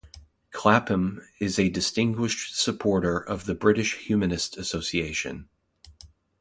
Clapham is a Distinguished Supporter of the British Humanist Association.